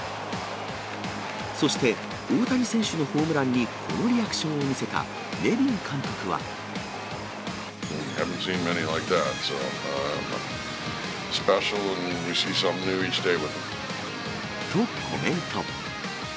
そして、大谷選手のホームランにこのリアクションを見せたネビン監督は。と、コメント。